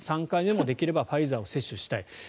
３回目もできればファイザーを接種したい。